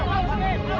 masih ada kecoh